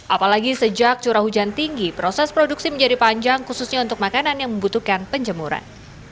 apalagi sejak curah hujan tinggi proses produksi menjadi panjang khususnya untuk makanan yang membutuhkan penjemuran